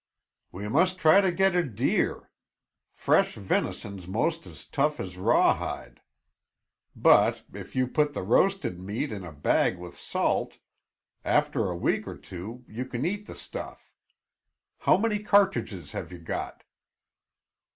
"We must try to get a deer. Fresh venison's most as tough as rawhide, but, if you put the roasted meat in a bag with salt, after a week or two you can eat the stuff. How many cartridges have you got?"